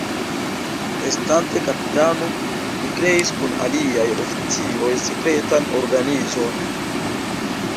Estante kapitano, li kreis kun aliaj oficiroj sekretan organizon.